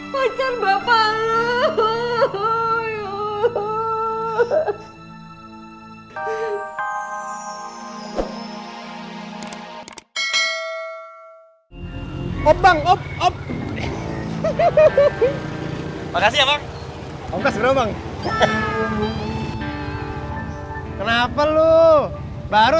pancan bapak lo